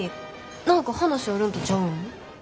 何か話あるんとちゃうん？